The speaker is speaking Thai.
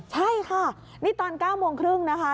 ใช่ค่ะนี่ตอน๙โมงครึ่งนะคะ